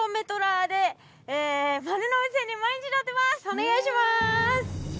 お願いします！